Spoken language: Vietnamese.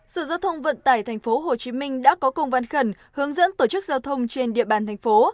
sở giao thông vận tải tp hcm đã có công văn khẩn hướng dẫn tổ chức giao thông trên địa bàn thành phố